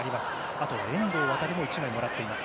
あとは遠藤航も１枚をもらっています。